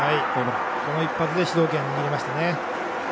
この一発で主導権にぎりました。